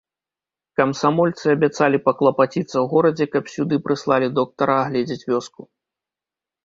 Камсамольцы абяцалі паклапаціцца ў горадзе, каб сюды прыслалі доктара агледзець вёску.